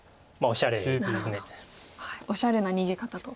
おしゃれな逃げ方と。